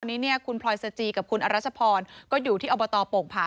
อันนี้เนี่ยคุณพลอยสจีกับคุณอรัชพรก็อยู่ที่อบตโป่งผา